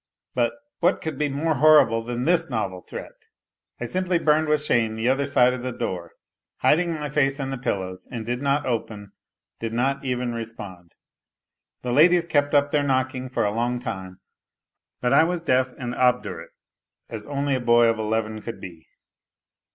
But ... what could be more horrible than this novel threat ? I simply burned with shame the other side of the door, hiding my face in the pillows and did not open, did not even respond. The ladies kept up their knocking for a long time, but I was deaf and obdurate as only a boy of eleven could be.